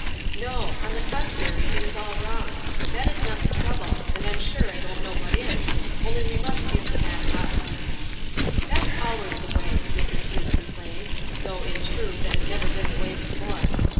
"No ; on the contrary, it is all wrong. That 13 not the trouble ; and I'm sure I don't know what is — only we must give the matter ifp." "That's always the way !" Mrs. Hewes com plained, though, in truth, it had never been the way before.